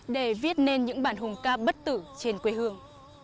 để viết nên những bản hùng ca bất tử trên quê hương